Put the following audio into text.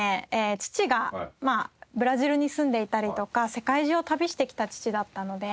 父がブラジルに住んでいたりとか世界中を旅してきた父だったので。